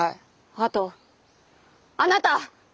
あとあなた！